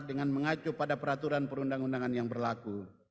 dengan mengacu pada peraturan perundang undangan yang berlaku